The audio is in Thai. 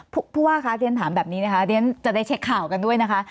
ผู้ว่าคะเรียนถามแบบนี้นะคะเรียนจะได้เช็คข่าวกันด้วยนะคะ